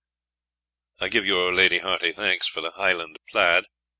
I give yl Lady hearty thanks for the Highland plaid.